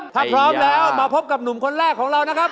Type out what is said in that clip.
ถ้าพร้อมแล้วมาพบกับหนุ่มคนแรกของเรานะครับ